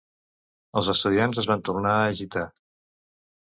Els estudiants es van tornar a agitar.